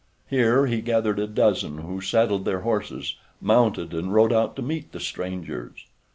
Here he gathered a dozen who saddled their horses, mounted and rode out to meet the strangers.